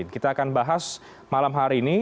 kita akan bahas malam hari ini